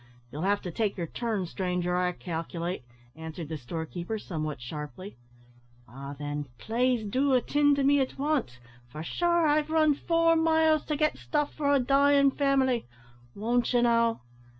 "You'll have to take your turn, stranger, I calculate," answered the store keeper, somewhat sharply. "Ah thin, avic, plaze do attind to me at wance; for sure I've run four miles to git stuff for a dyin' family won't ye now?"